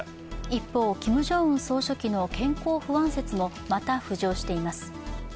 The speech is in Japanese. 一方、キム・ジョンウン総書記の健康不安説もまた浮上しています。